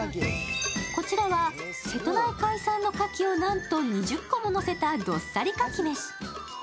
こちらは瀬戸内海産のカキを２０個ものせたどっさり牡蠣めし。